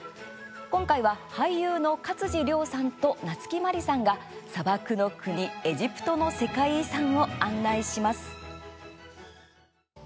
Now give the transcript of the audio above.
今回は、俳優の勝地涼さんと夏木マリさんが砂漠の国、エジプトの世界遺産を案内します。